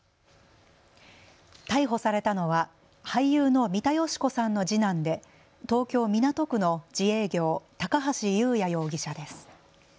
逮捕されたのは俳優の三田佳子さんの次男で東京港区の自営業、高橋祐也容疑者です。